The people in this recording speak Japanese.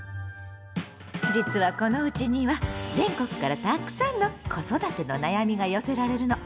実はこのうちには全国からたくさんの「子育ての悩み」が寄せられるの。